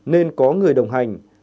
nên có người đồng hành